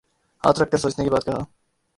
ہاتھ رکھ کر سوچنے کے بعد کہا۔